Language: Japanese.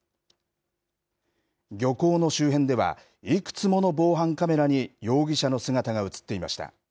漁港の周辺ではいくつもの防犯カメラに、容疑者の姿が写っていました。